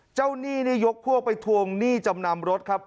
หนี้นี่ยกพวกไปทวงหนี้จำนำรถครับ